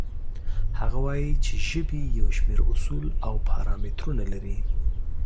هغه وایي چې ژبې یو شمېر اصول او پارامترونه لري.